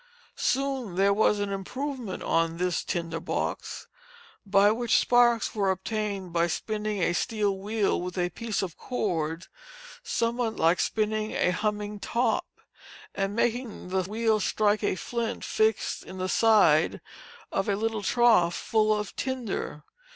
Soon there was an improvement on this tinder box, by which sparks were obtained by spinning a steel wheel with a piece of cord, somewhat like spinning a humming top, and making the wheel strike a flint fixed in the side of a little trough full of tinder.